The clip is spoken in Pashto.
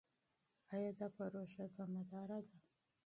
ایا دا پروژه دوامداره ده؟